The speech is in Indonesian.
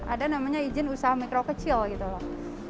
ada namanya izin usaha mikro kecil gitu loh